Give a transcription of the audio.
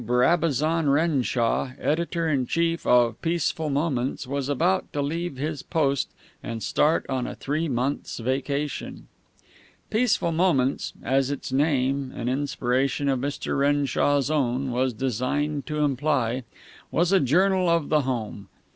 Brabazon Renshaw, Editor in chief of Peaceful Moments, was about to leave his post and start on a three months' vacation. Peaceful Moments, as its name (an inspiration of Mr. Renshaw's own) was designed to imply, was a journal of the home.